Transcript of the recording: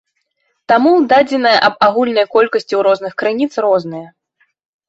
Таму дадзеныя аб агульнай колькасці ў розных крыніц розныя.